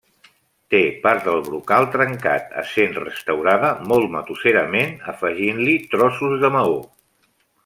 Té part del brocal trencat essent restaurada molt matusserament afegint-li trossos de maó.